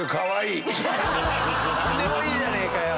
・何でもいいじゃねえかよ。